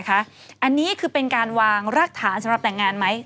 อันนี้คือเป็นการวางรากฐานสำหรับแต่งงานไหม